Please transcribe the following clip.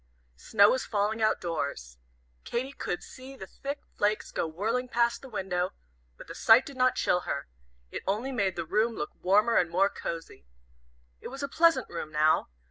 Snow was falling out doors. Katy could see the thick flakes go whirling past the window, but the sight did not chill her. It only made the room look warmer and more cosy. It was a pleasant room now.